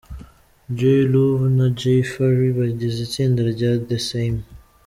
Jay Luv na Jay Farry bagize itsinda rya The Same.